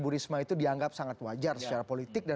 usai jeda pada warna berikutnya